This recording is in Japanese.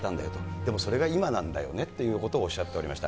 でもそれが今なんだよねっていうことをおっしゃっておりました。